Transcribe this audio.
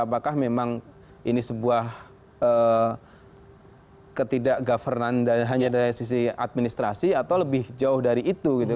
apakah memang ini sebuah ketidak governan hanya dari sisi administrasi atau lebih jauh dari itu gitu